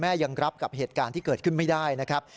ยังรับกับเหตุการณ์ที่เกิดขึ้นไม่ได้นะครับ